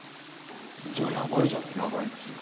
じゃあやばいじゃないですか。